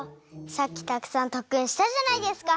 さっきたくさんとっくんしたじゃないですか。